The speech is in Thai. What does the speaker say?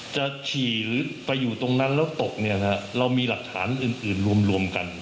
ฉี่หรือไปอยู่ตรงนั้นแล้วตกเนี่ยนะเรามีหลักฐานอื่นรวมกัน